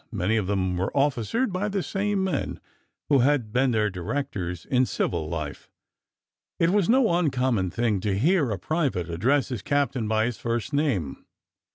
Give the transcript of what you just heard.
Many of them were officered by the same men who had been their directors in civil life. It was no uncommon thing to hear a private address his captain by his first name.